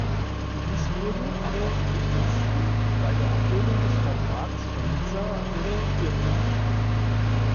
Dies wurde am offensichtlichsten bei der Ablehnung des Vertrags von Nizza durch die Iren.